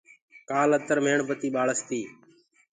ڪآل اتر ميڻ بتي ٻآݪس تي۔